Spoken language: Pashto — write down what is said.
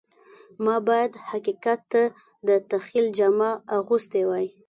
ما باید حقیقت ته د تخیل جامه اغوستې وای